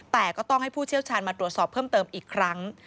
แต่ก็ต้องให้ผู้เชี่ยวชาญมาตรวจสอบเพิ่มเติมอีกครั้ง